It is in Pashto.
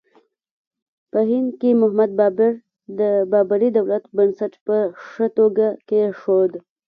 په هند کې محمد بابر د بابري دولت بنسټ په ښه توګه کېښود.